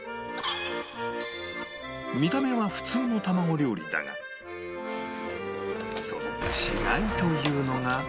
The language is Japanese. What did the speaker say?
見た目は普通の卵料理だがその違いというのが